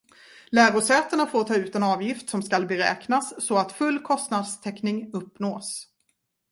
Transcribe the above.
Lärosätena får ta ut en avgift som ska beräknas så att full kostnadstäckning uppnås.